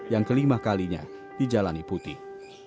yang kelima kalinya dijalani putih